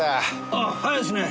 あっ早いっすね。